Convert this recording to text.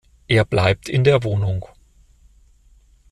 Er bleibt in der Wohnung.